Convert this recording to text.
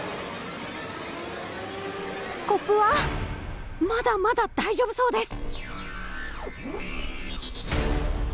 コップはまだまだ大丈夫そうです。